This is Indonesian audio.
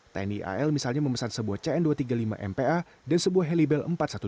tni al misalnya memesan sebuah cn dua ratus tiga puluh lima mpa dan sebuah helibel empat ratus dua belas